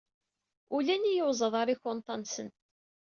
Ulin yiyuzaḍ ɣer ikunta-nsen.